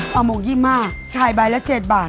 หอหมก๒๕ทายใบละ๗บาท